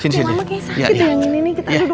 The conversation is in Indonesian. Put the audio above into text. ini nih kita duduk aja